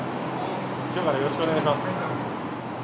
今日からよろしくお願いします。